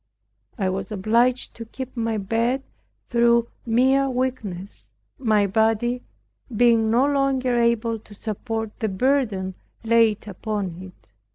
I was obliged to keep my bed through mere weakness, my body being no longer able to support the burden laid upon it.